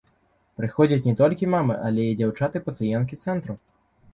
Прыходзяць не толькі мамы, але і дзяўчаты-пацыенткі цэнтру.